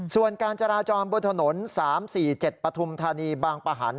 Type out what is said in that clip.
ส่วนการจราจรบนถนน๓๔๗ปฐุมธานีบางประหัน